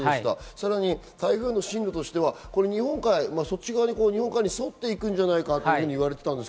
さらに台風の進路としては、日本海のほうに沿っていくんじゃないかと言われていた。